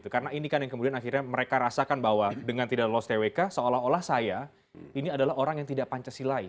karena ini kan yang akhirnya mereka rasakan bahwa dengan tidak lolos twk seolah olah saya ini adalah orang yang tidak pancasila i